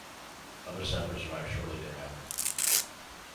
Other settlers arrived shortly thereafter.